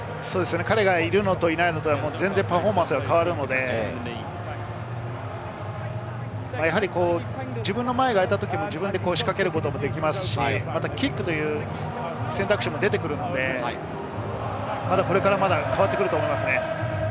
彼がいるのといないのではパフォーマンスが変わるので、自分の前が空いたとき自分で仕掛けることもできますし、キックという選択肢も出てくるので、まだこれから変わってくると思いますね。